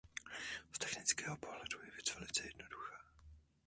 Z technického pohledu je věc velice jednoduchá.